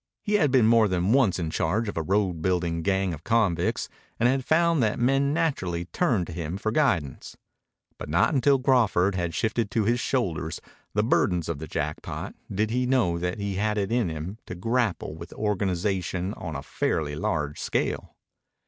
He had been more than once in charge of a road building gang of convicts and had found that men naturally turned to him for guidance. But not until Crawford shifted to his shoulders the burdens of the Jackpot did he know that he had it in him to grapple with organization on a fairly large scale.